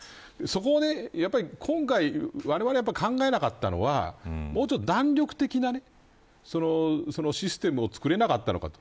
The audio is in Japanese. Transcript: そこで今回われわれが考えなかったのはもう少し弾力的なシステムを作れなかったのかと。